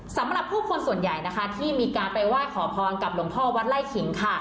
สำหรับผู้คนส่วนใหญ่นะคะที่มีการไปไหว้ขอพรกับหลวงพ่อวัดไล่ขิงค่ะ